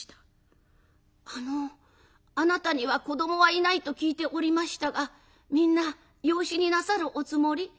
「あのあなたには子どもはいないと聞いておりましたがみんな養子になさるおつもり？